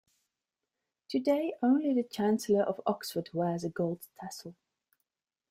Today, only the Chancellor of Oxford wears a gold tassel.